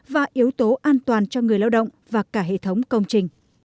và yếu tố an toàn cho người lao động và cả hệ thống công trình